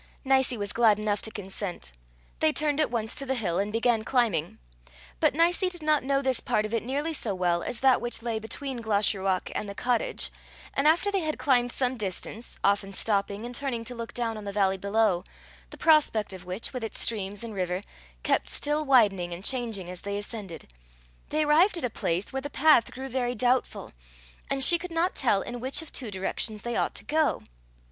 Nicie was glad enough to consent; they turned at once to the hill, and began climbing. But Nicie did not know this part of it nearly so well as that which lay between Glashruach and the cottage, and after they had climbed some distance, often stopping and turning to look down on the valley below, the prospect of which, with its streams and river, kept still widening and changing as they ascended, they arrived at a place where the path grew very doubtful, and she could not tell in which of two directions they ought to go.